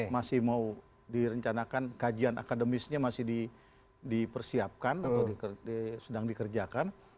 masih mau direncanakan kajian akademisnya masih dipersiapkan atau sedang dikerjakan